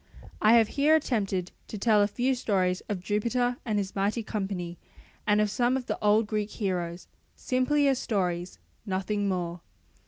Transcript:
I have here attempted to tell a few stories of Jupiter and his mighty company and of some of the old Greek heroes, simply as stories, nothing more.